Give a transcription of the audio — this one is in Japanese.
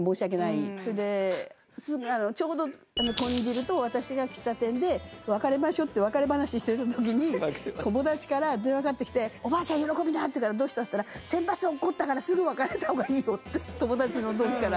それでちょうどとん汁と私が喫茶店で「別れましょう」って別れ話してた時に友達から電話かかってきて「おばあちゃん喜びな！」って言うから「どうした？」って言ったら「選抜落っこったからすぐ別れた方がいいよ」って友達の同期から。